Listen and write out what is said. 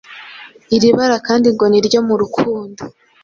Iri bara kandi ngo ni ryo mu rukundo